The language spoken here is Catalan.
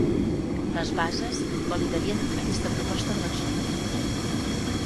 Les bases validarien aquesta proposta de l’executiva.